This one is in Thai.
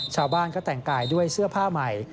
ชาวบ้านก็แต่งกายด้วยเสื้อผ้าใหม่